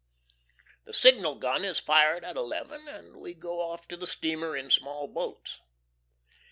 The signal gun is fired at 11, and we go off to the steamer in small boats.